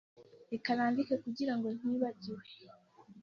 Reka nandike kugirango ntibagiwe.